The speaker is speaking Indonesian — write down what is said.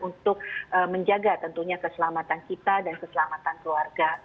untuk menjaga tentunya keselamatan kita dan keselamatan keluarga